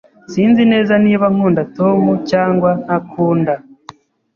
Sinzi neza niba nkunda Tom cyangwa ntakunda.